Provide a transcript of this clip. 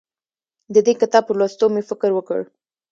د دې کتاب په لوستو مې فکر وکړ.